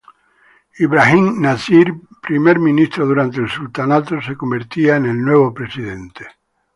Ibrahim Nasir, primer ministro durante el sultanato, se convertía en el nuevo presidente.